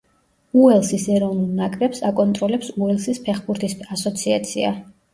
უელსის ეროვნულ ნაკრებს აკონტროლებს უელსის ფეხბურთის ასოციაცია.